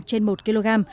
trên một kg